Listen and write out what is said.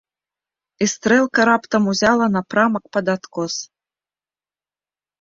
І стрэлка раптам узяла напрамак пад адкос.